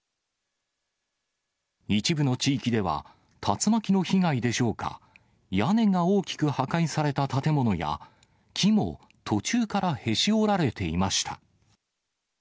一部の地域では、竜巻の被害でしょうか、屋根が大きく破壊された建物や、木も途中からへし折られていました。